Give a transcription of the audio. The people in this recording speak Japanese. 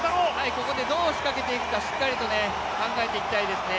ここでどう仕掛けていくかしっかりと考えていきたいですね。